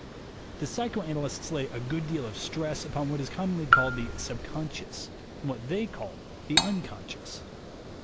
The psychoanalysts lay a good deal of stress upon what is commonly called the subconscious, and what they call the unconscious.